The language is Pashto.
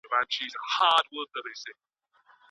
جوړې او سوغاتونه ډير زيات لګښت غواړي.